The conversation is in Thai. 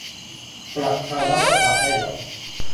ประธานรัฐสภาไต้หวัน